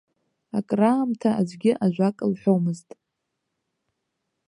Акраамҭа аӡәгьы ажәак лҳәомызт.